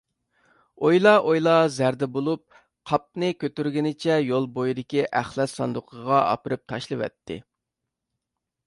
ئويلا-ئويلا زەردە بولۇپ، قاپنى كۆتۈرگىنىچە يول بويىدىكى ئەخلەت ساندۇقىغا ئاپىرىپ تاشلىۋەتتى.